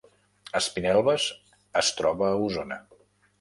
Espinelves es troba a Osona